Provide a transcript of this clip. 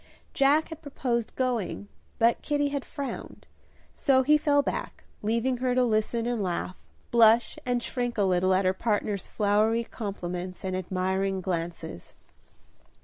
Jack had proposed going, but Kitty had frowned, so he fell back, leaving her to listen and laugh, blush and shrink a little at her partner's flowery compliments and admiring glances.